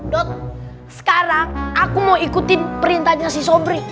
dot sekarang aku mau ikutin perintahnya si sobri